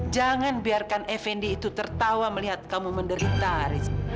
jangan biarkan effendi itu tertawa melihat kamu menderita